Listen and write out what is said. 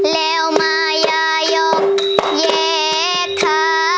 แล้วมายายกแยกขา